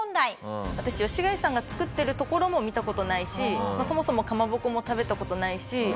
私吉開さんが作ってるところも見た事ないしそもそもかまぼこも食べた事ないし。